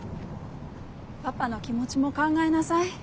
パパの気持ちも考えなさい。